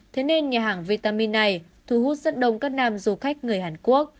thế nên nhà hàng vitamin này thu hút rất đông các nam du khách người hàn quốc